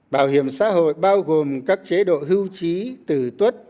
bảo hiểm xã hội bao gồm các chế độ hưu trí tử tuất